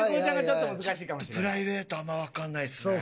ちょっとプライベートあんまわかんないですね。